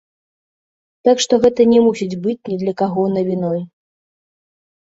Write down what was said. Так што гэта не мусіць быць ні для каго навіной.